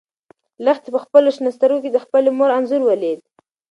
لښتې په خپلو شنه سترګو کې د خپلې مور انځور ولید.